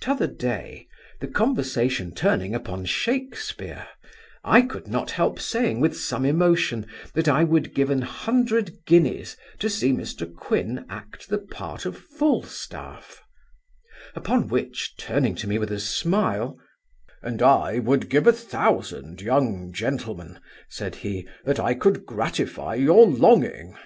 T'other day, the conversation turning upon Shakespeare, I could not help saying, with some emotion, that I would give an hundred guineas to see Mr Quin act the part of Falstaff; upon which, turning to me with a smile, 'And I would give a thousand, young gentleman (said he) that I could gratify your longing.